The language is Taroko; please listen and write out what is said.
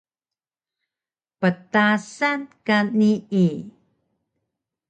Ptasan ka nii